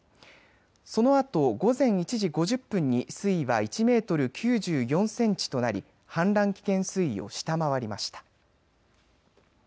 そのあと、午前１時５０分に水位は１メートル９４センチとなり氾濫危険水位を下回りました。